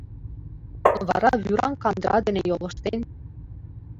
Вара вӱраҥ кандыра дене йолыштен...